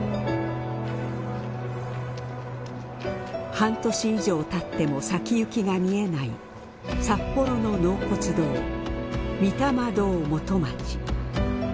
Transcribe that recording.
半年以上経っても先行きが見えない札幌の納骨堂御霊堂元町。